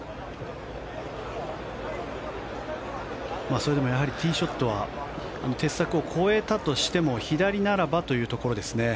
それでもティーショットは鉄柵を越えたとしても左ならばというところですね。